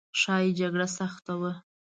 ښایي جګړه سخته وه.